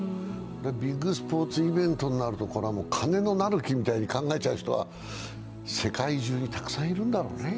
ビッグスポーツイベントとなると金のなる木と考えちゃう人は世界中にたくさんいるんだろうね。